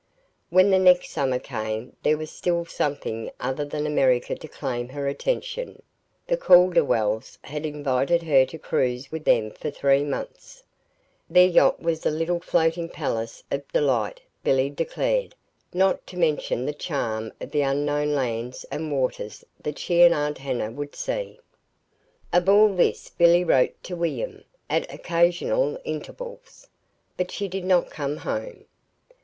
When the next summer came there was still something other than America to claim her attention: the Calderwells had invited her to cruise with them for three months. Their yacht was a little floating palace of delight, Billy declared, not to mention the charm of the unknown lands and waters that she and Aunt Hannah would see. Of all this Billy wrote to William at occasional intervals but she did not come home.